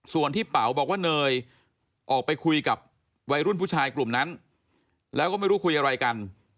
ส่วนที่เป๋าบอกว่าเนยออกไปคุยกับวัยรุ่นผู้ชายกลุ่มนั้นแล้วก็ไม่รู้คุยอะไรกัน